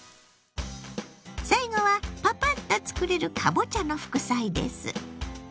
最後はパパッと作れるかぼちゃの副菜です。